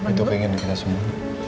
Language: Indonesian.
itu pengen kita semua